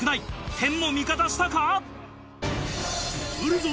天も味方したか？